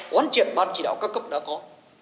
quán triển bàn chỉ đạo ca cấp đã có